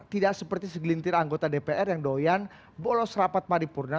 tidak seperti segelintir anggota dpr yang doyan bolos rapat paripurna